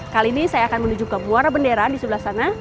kali ini saya akan menuju ke muara bendera di sebelah sana